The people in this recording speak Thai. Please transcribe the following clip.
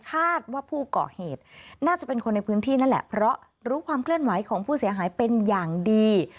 คาดว่าผู้ก่อเหตุน่าจะเป็นคนในพื้นที่นั่นแหละเพราะรู้ความเคลื่อนไหวของผู้เสียหายเป็นอย่างดี